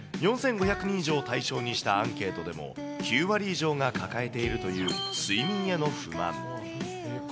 ４５００人以上を対象にしたアンケートでも、９割以上が抱えているという、睡眠への不満。